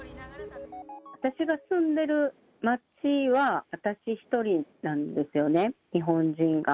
私が住んでいる町は、私一人なんですよね、日本人が。